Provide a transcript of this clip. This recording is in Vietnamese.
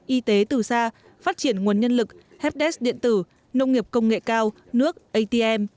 y tế từ xa phát triển nguồn nhân lực hdes điện tử nông nghiệp công nghệ cao nước atm